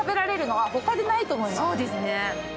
そうですね。